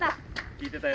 聞いてたよ